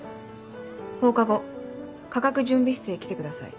放課後化学準備室へ来てください。